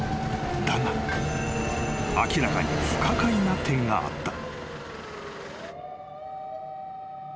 ［だが明らかに不可解な点があった］